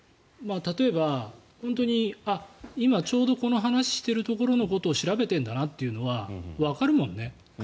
例えば本当に今、ちょうどこの話をしているところのことを調べてるんだなってことはわかるもんね。